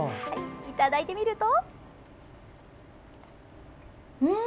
いただいてみると。